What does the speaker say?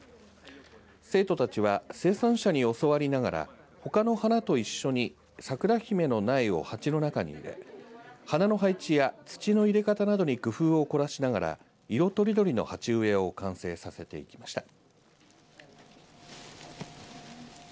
生徒たちは生産者に教わりながらほかの花と一緒にさくらひめの苗を鉢の中に入れ花の配置や土の入れ方などに工夫を凝らしながら色とりどりの鉢植えを完成させていきました。